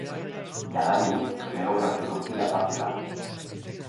Jadanik, geografikoki, aparte da.